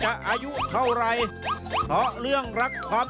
สาวน้อยคนนี้ก็ตอบคำถาม